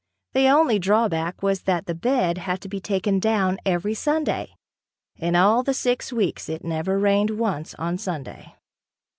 The only drawback was that the bed had to be taken down every Sunday. In all the six weeks it never rained once on Sunday.